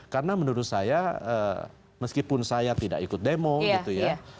karena menurut saya meskipun saya tidak ikut demo gitu ya